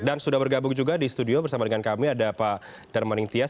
dan sudah bergabung juga di studio bersama dengan kami ada pak darmaning tias